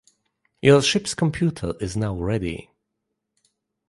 Your ship's computer is now ready.